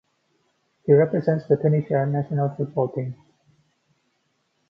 He represents the Tunisia national football team.